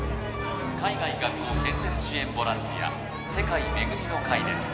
海外学校建設支援ボランティア世界恵みの会です